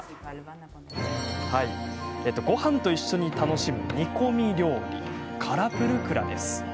ごはんと一緒に楽しむ煮込み料理カラプルクラです。